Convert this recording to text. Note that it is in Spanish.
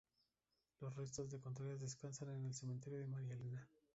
Los restos de Contreras descansan en el cementerio de María Elena.